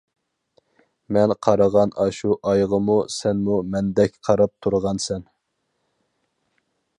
مەن قارىغان ئاشۇ ئايغىمۇ، سەنمۇ مەندەك قاراپ تۇرغانسەن.